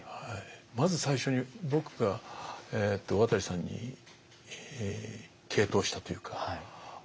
まず最初に僕が渡さんに傾倒したというかあ